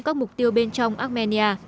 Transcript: các mục tiêu bên trong armenia